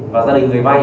và gia đình người vay